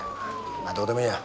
まあどうでもいいや。